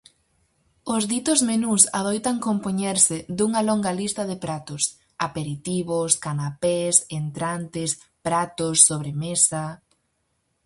Os ditos menús adoitan compoñerse dunha longa lista de pratos: aperitivos, canapés, entrantes, pratos, sobremesa...